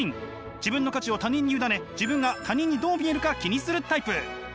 自分の価値を他人に委ね自分が他人にどう見えるか気にするタイプ。